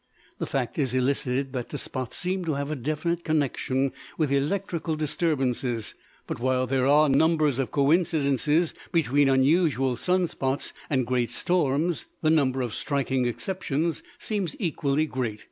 The fact is elicited that the spots seem to have a definite connection with electrical disturbances: but while there are numbers of coincidences between unusual sun spots and great storms, the number of striking exceptions seems equally great.